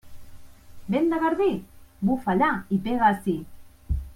Vent de garbí? Bufa allà i pega ací.